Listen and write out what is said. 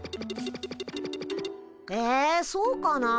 えそうかな。